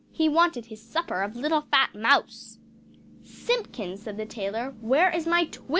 He wanted his supper of little fat mouse! "Simpkin," said the tailor, "where is my TWIST?"